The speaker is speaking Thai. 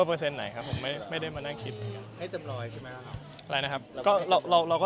แต่จะมีมากขึ้นปกครับ